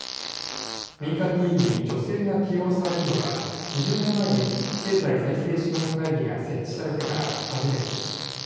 民間議員に女性が起用されるのは２０年前に経済財政諮問会議が設置されてから初めてです。